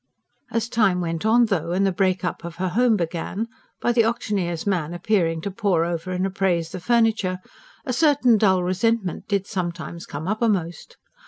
As time went on, though, and the break up of her home began by the auctioneer's man appearing to paw over and appraise the furniture a certain dull resentment did sometimes come uppermost.